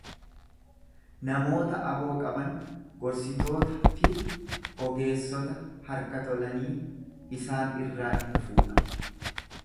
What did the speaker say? Namoota aboo qaban, gorsitoota fi ogeessota harka tolanii isaan irraa in fuudha.